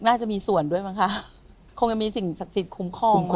น่าจะมีส่วนด้วยมั้งคะคงจะมีสิ่งศักดิ์สิทธิคุ้มครอง